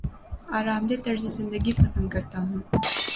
آرام دہ طرز زندگی پسند کرتا ہوں